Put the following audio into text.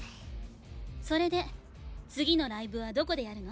それで次のライブはどこでやるの？